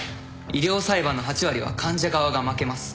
医療裁判の８割は患者側が負けます。